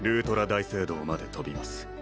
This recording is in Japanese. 大聖堂まで飛びます